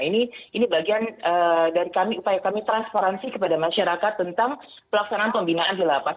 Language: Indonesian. ini bagian dari kami upaya kami transparansi kepada masyarakat tentang pelaksanaan pembinaan di lapas